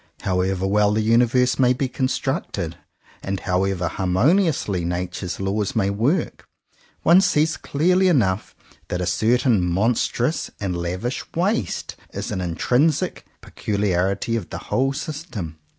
How ever well the universe may be constructed, and however harmoniously Nature's laws may work, one sees clearly enough that a certain monstrous and lavish waste is an intrinsic peculiarity of the whole system.